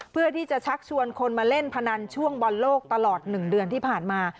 เพื่อที่จะชักชวนคนมาเล่นพนันช่วงบอลโลกตลอด๑เดือนที่ผ่านมา